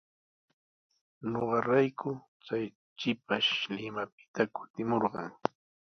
Ñuqarayku chay shipash Limapita kutimurqan.